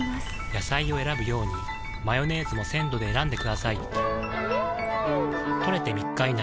野菜を選ぶようにマヨネーズも鮮度で選んでくださいん！